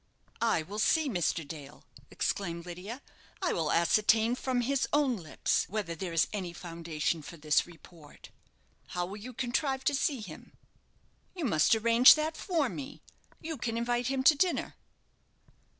"I will see Mr. Dale," exclaimed Lydia. "I will ascertain from his own lips whether there is any foundation for this report." "How will you contrive to see him?" "You must arrange that for me. You can invite him to dinner."